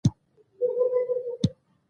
مټې یوه ګړۍ وروسته مخ پر ځوړو شو.